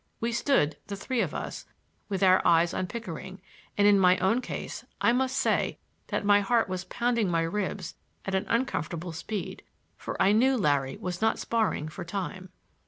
We stood, the three of us, with our eyes on Pickering, and in my own case I must say that my heart was pounding my ribs at an uncomfortable speed, for I knew Larry was not sparring for time.